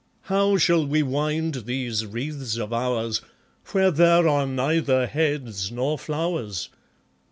How shall we wind these wreaths of ours, Where there are neither heads nor flowers?